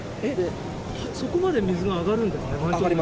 そこまで水が上がるんですか？